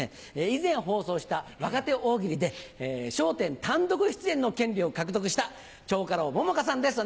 以前放送した若手大喜利で『笑点』単独出演の権利を獲得した蝶花楼桃花さんです